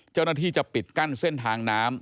เจ้าหน้าที่จะปิดกั้นเส้นทางน้ำ